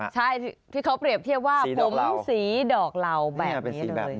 ใช่ที่เขาเปรียบเทียบว่าผมสีดอกเหล่าแบบนี้เลย